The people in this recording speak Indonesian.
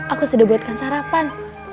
aku sudah buatkan sarapan